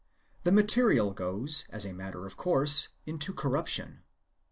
The material goes, as a matter of course, into corruption.